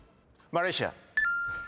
マレーシア。